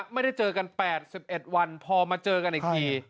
ไม่ได้เจอกัน๘๑วันพอมาเจอกันอีกที